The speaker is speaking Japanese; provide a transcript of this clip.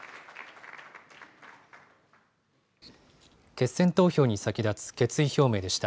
決選投票に先立つ決意表明でした。